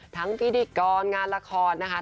พิธีกรงานละครนะคะ